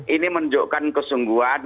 ini menunjukkan kesungguhan